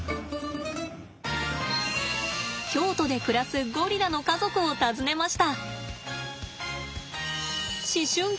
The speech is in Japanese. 京都で暮らすゴリラの家族を訪ねました。